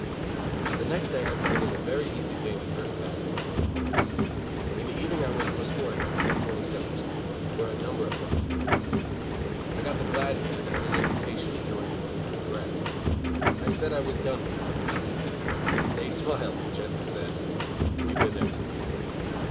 The next day I found it a very easy thing to drift back to my old haunts. In the evening I went to a sporting house on Twenty seventh Street, where a number of guns hung out. I got the glad hand and an invitation to join in some good graft. I said I was done with the Rocky Path. They smiled and gently said: "We have been there, too, Jim."